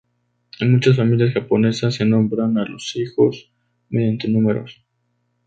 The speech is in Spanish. En muchas familias japonesas se nombra a los hijos mediante números.